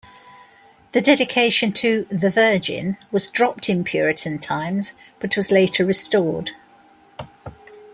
The dedication to "-the-Virgin" was dropped in Puritan times but was later restored.